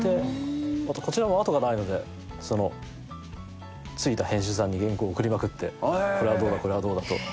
こちらも後がないのでその付いた編集さんに原稿送りまくってこれはどうだこれはどうだと。